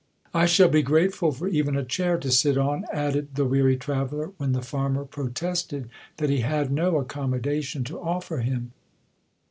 "I shall be grateful for even a chair to sit on," added the weary traveller, when the farmer protested that he had no accommodation to offer him.